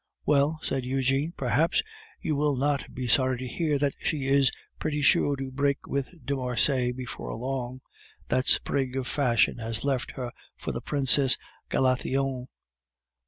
"Well," said Eugene, "perhaps you will not be sorry to hear that she is pretty sure to break with de Marsay before long. That sprig of fashion has left her for the Princesse Galathionne.